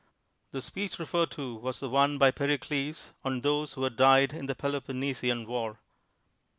The speech referred to INTRODUCTION was the one by Pericles/ on those who had died in the Peloponnesian War.